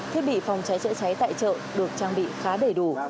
thiết bị phòng cháy chữa cháy tại chợ được trang bị khá đầy đủ